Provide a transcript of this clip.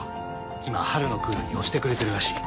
今春のクールに推してくれてるらしい。